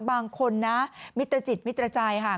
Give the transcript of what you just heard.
บางคนนะมิตรจิตมิตรใจค่ะ